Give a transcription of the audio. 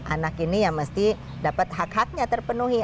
anak ini ya mesti dapat hak haknya terpenuhi